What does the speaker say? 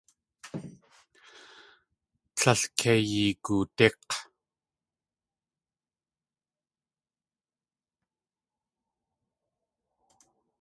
Líl kei yigoodík̲!